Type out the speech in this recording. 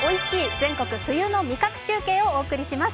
全国冬の味覚中継」をお送りします。